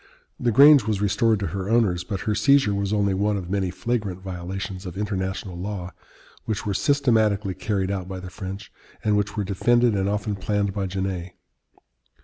The Grange was restored to her owners, but her seizure was only one of many flagrant violations of international law which were systematically carried out by the French, and which were defended and often planned by Genet.